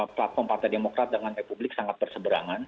platform partai demokrat dengan republik sangat berseberangan